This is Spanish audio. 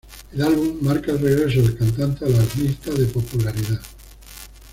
El álbum marca el regreso del cantante a las listas de popularidad.